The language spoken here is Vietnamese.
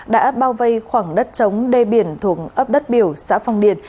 đã bao vây khoảng đất trống đê biển thuộc ấp đất biểu xã phong điền